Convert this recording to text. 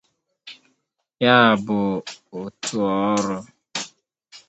Ya bụ òtù ọrụ